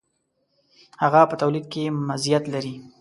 هغه په تولید کې مزیت لري.